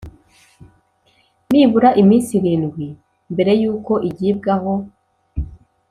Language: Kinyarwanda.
nibura iminsi irindwi mbere y uko igibwaho